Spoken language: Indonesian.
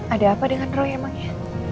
ada apa dengan roya emangnya